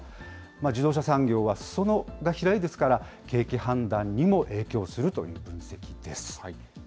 自動車産業はすそ野が広いですから、景気判断にも影響するという分析です。